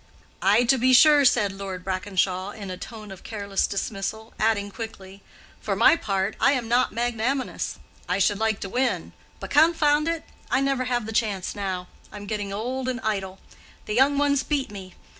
"Ay, to be sure," said Lord Brackenshaw, in a tone of careless dismissal, adding quickly, "For my part, I am not magnanimous; I should like to win. But, confound it! I never have the chance now. I'm getting old and idle. The young ones beat me.